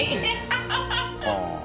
ハハハ